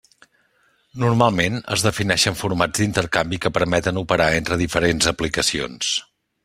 Normalment, es defineixen formats d'intercanvi que permeten operar entre diferents aplicacions.